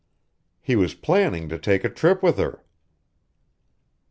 "He was planning to take a trip with her."